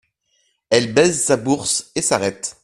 Elle baise sa bourse et s’arrête.